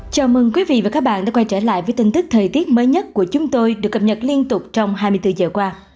chào mừng quý vị và các bạn đã quay trở lại với tin tức thời tiết mới nhất của chúng tôi được cập nhật liên tục trong hai mươi bốn giờ qua